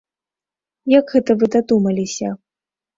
Як гэта вы дадумаліся?